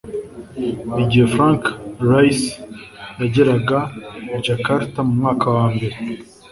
Igihe Frank Rice yageraga i Jakarta mu mwaka wa mbere